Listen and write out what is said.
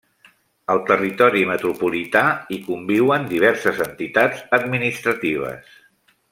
Al territori metropolità hi conviuen diverses entitats administratives.